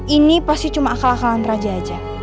ini pasti cuma akal akalan raja aja